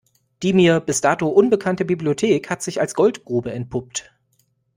Die mir bis dato unbekannte Bibliothek hat sich als Goldgrube entpuppt.